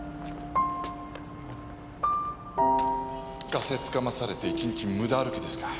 ガセつかまされて１日無駄歩きですか。